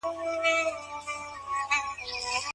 د ماسټرۍ برنامه په زوره نه تحمیلیږي.